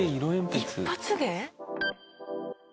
一発芸？